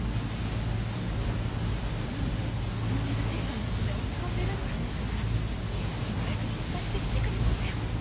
昨日小梅がテストのことで落ち込んでるって話したから健太先輩が心配して来てくれたんだよ